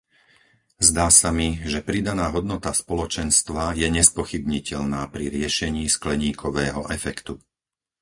Zdá sa mi, že pridaná hodnota Spoločenstva je nespochybniteľná pri riešení skleníkového efektu.